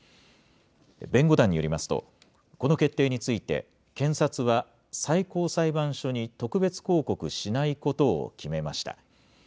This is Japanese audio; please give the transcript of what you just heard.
弁護団によりますと、この決定について、検察は最高裁判所に特別抗告しないことを決めました。